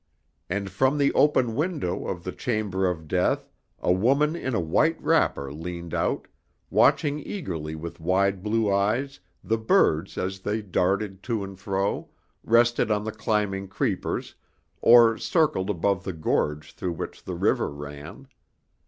And from the open window of the chamber of death a woman in a white wrapper leaned out, watching eagerly with wide blue eyes the birds as they darted to and fro, rested on the climbing creepers, or circled above the gorge through which the river ran.